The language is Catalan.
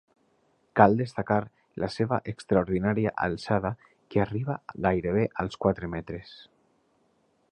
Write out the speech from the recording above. Cal destacar la seva extraordinària alçada que arriba gairebé als quatre metres.